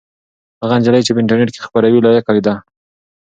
هغه نجلۍ چې په انټرنيټ کې خپروي لایقه ده.